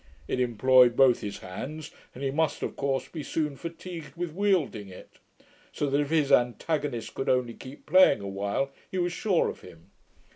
It employed both his hands, and he must of course be soon fatigued with wielding it; so that if his antagonist could only keep playing a while, he was sure of him.